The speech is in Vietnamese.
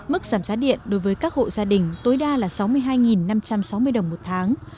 mức giảm giá điện đối với các hộ gia đình tối đa là sáu mươi hai năm trăm sáu mươi đồng một tháng